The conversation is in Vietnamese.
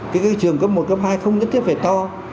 các cái trường cấp một cấp hai không nhất thiết phải